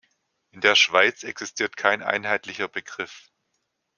In der Schweiz existiert kein einheitlicher Begriff.